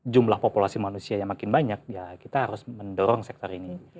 jumlah populasi manusia yang makin banyak ya kita harus mendorong sektor ini